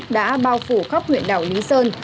đã bao phủ khắp huyện đảo lý sơn